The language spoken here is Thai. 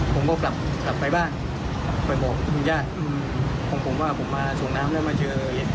ผมก็กลับไปบ้านไปบอกคุณญาติของผมว่าผมมาส่งน้ำแล้วมาเจอ